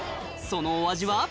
そのお味は？